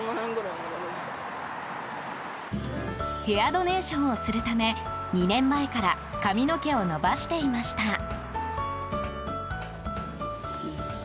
ヘアドネーションをするため２年前から髪の毛を伸ばしていました。